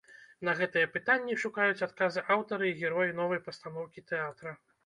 На гэтыя пытанні шукаюць адказы аўтары і героі новай пастаноўкі тэатра.